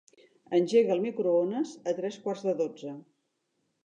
Engega el microones a tres quarts de dotze.